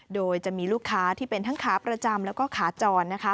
โดยจะมีลูกค้าที่เป็นทั้งขาประจำแล้วก็ขาจรนะคะ